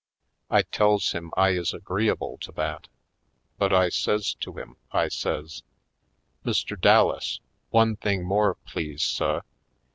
I tells him I is agreeable to that. But I says to him, I says : "Mr. Dallas, one thing more, please, suh?